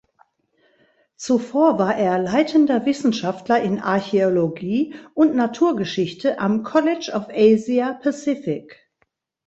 Zuvor war er leitender Wissenschaftler in Archäologie und Naturgeschichte am College of Asia Pacific.